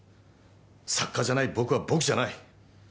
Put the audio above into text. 作家じゃない僕は僕じゃない。